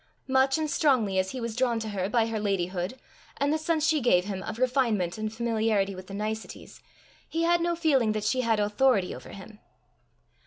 Much and strongly as he was drawn to her by her ladyhood, and the sense she gave him of refinement and familiarity with the niceties, he had no feeling that she had authority over him.